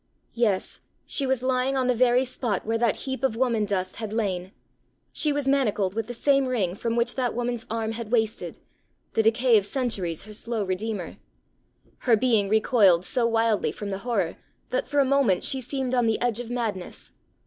Yes, she was lying on the very spot where that heap of woman dust had lain! she was manacled with the same ring from which that woman's arm had wasted the decay of centuries her slow redeemer! Her being recoiled so wildly from the horror, that for a moment she seemed on the edge of madness.